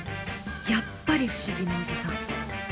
やっぱり不思議なおじさん。